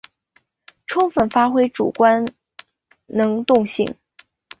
充分发挥主观能动性